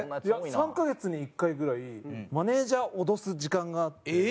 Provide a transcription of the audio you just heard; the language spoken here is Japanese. いや３カ月に１回ぐらいマネージャーを脅す時間があって。